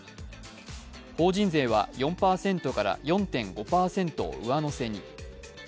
法人税は４％から４．５％を上乗せに。